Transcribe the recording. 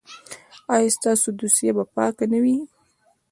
ایا ستاسو دوسیه به پاکه نه وي؟